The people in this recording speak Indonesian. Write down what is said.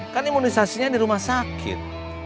kan imunisasinya di rumah sakit